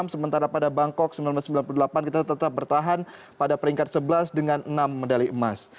sementara pada bangkok seribu sembilan ratus sembilan puluh delapan kita tetap bertahan pada peringkat sebelas dengan enam medali emas